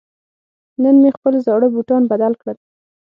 نن مې خپل زاړه بوټان بدل کړل.